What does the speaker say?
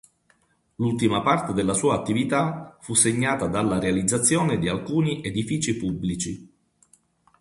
L'ultima parte della sua attività fu segnata dalla realizzazione di alcuni edifici pubblici.